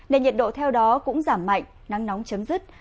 nên nhiệt độ theo đó cũng giảm mạnh nắng nóng chấm dứt